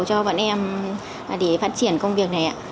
cho bọn em để phát triển công việc này